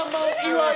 岩井！